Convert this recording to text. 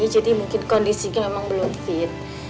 jadi mungkin kondisinya memang belum fit